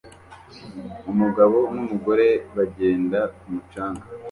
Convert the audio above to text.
Umugabo n'umugore bagenda ku mucanga